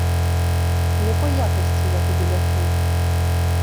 У якой якасці я туды лячу?